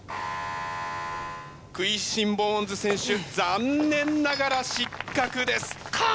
クイーシン・ボーンズ選手残念ながら失格です。か！